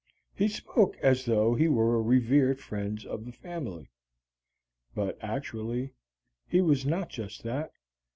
He spoke as though he were a revered friend of the family. But actually he was not just that.